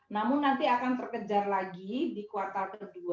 namun nanti akan terkejar lagi di kuartal ke dua